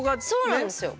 そうなんですよ。